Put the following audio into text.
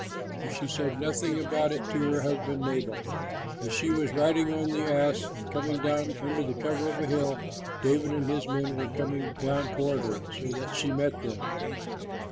But she said nothing about it to her husband Nabal. As she was riding on the ass and coming down under cover of a hill, David and his men were coming down toward her, so that she met them.